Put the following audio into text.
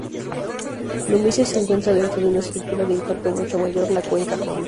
Dominici se encuentra dentro de una estructura de impacto mucho mayor, la cuenca Homer.